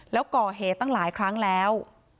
แล้วก่อเหตุตั้งหลายครั้งแล้ว